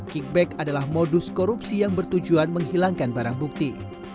kickback adalah modus korupsi yang bertujuan menghilangkan barang bukti